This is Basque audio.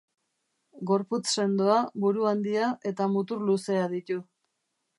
Gorputz sendoa, buru handia eta mutur luzea ditu.